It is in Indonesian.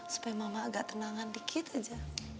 supaya mama agak tenangan dikit aja